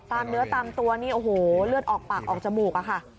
เนื้อตามตัวนี่โอ้โหเลือดออกปากออกจมูกอะค่ะ